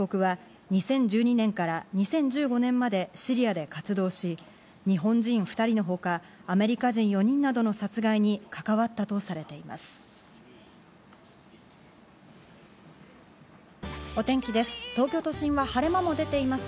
シェイク被告は２０１２年から２０１５年までシリアで活動し、日本人２人のほか、アメリカ人４人などの殺害に関わったとされています。